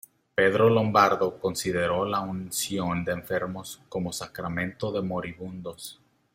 Pedro Lombardo consideró la unción de enfermos como sacramento de moribundos.